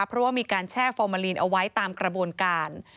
เพราะว่ามีการแช่ฟอร์มาลีนเอาไว้ตามกระบวนการ